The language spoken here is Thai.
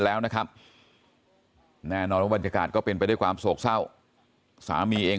แล้วนะครับแน่นอนว่าบรรยากาศก็เป็นไปด้วยความโศกเศร้าสามีเอง